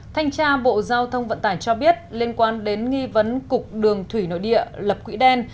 thanh tra bộ giao thông vận tải cho biết liên quan đến nghi vấn cục đường thủy nội địa lập quỹ đen